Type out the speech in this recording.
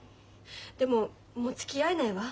でももうつきあえないわ。